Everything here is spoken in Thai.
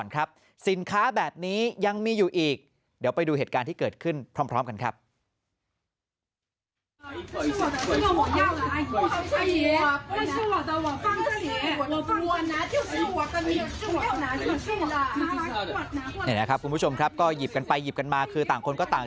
นี่แหละครับคุณผู้ชมครับก็หยิบกันไปหยิบกันมาคือต่างคนก็ต่าง